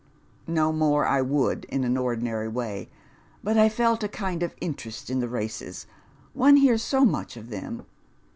" No more I would in an ordinary way, but I felt a kind of in terest in the races. One hears so much of them."